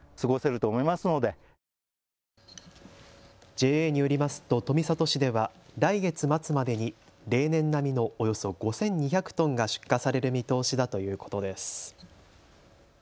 ＪＡによりますと富里市では来月末までに例年並みのおよそ５２００トンが出荷される見通しだということです。